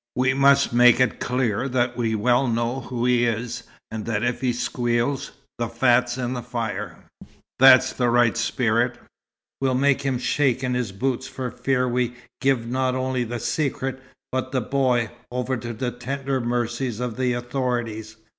We must make it clear that we well know who he is, and that if he squeals, the fat's in the fire!" "That's the right spirit. We'll make him shake in his boots for fear we give not only the secret, but the boy, over to the tender mercies of the authorities.